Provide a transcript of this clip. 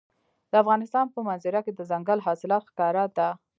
د افغانستان په منظره کې دځنګل حاصلات ښکاره ده.